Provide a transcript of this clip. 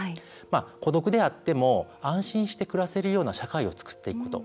孤独であっても安心して暮らせるような社会を作っていくこと。